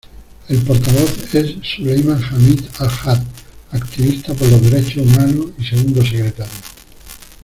El portavoz es Suleiman Hamid al-Haj, activista por los derechos humanos y segundo secretario.